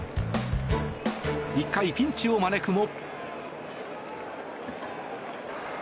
１回、ピンチを招くも。